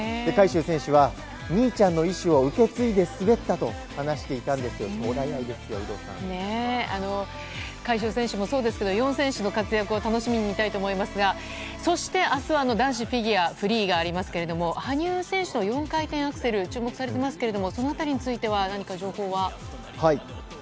海祝選手は、お兄ちゃんの意思を受け継いで滑ったと話していたんです、海祝選手もそうですけど、４選手の活躍を楽しみに見たいと思いますが、そして、あすは男子フィギュアフリーがありますけれども、羽生選手の４回転アクセル、注目されてますけれども、そのあたりについては何か情報は？